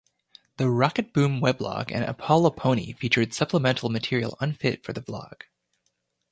The Rocketboom weblog and Apollo Pony featured supplemental material unfit for the vlog.